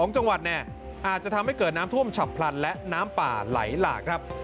๒จังหวัดเนี่ยอาจจะทำให้เกิดน้ำท่วมฉับพลันและน้ำป่าไหลหลากครับ